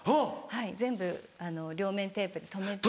全部両面テープで留めて。